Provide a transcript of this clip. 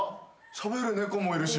しゃべる猫もいるし。